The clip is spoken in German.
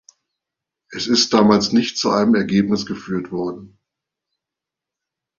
Es ist damals nicht zu einem Ergebnis geführt worden.